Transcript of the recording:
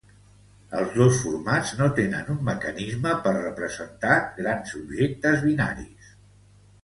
Els dos formats no tenen un mecanisme per representar grans objectes binaris.